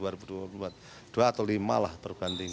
dua atau lima lah berbanding